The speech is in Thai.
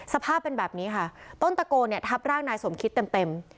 สภาพเป็นแบบนี้ค่ะต้นตะโกเนี่ยทับร่างนายสมคิดเต็ม